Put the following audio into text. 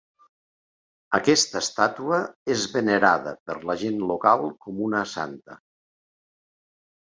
Aquesta estàtua és venerada per la gent local com a una santa.